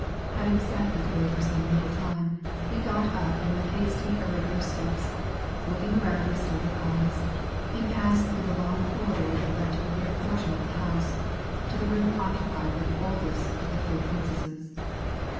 Having sat that way for some little time, he got up and with hasty irregular steps, looking around with startled eyes, he passed through the long corridor that led to the rear portion of the house, to the room occupied by the oldest of the three princesses.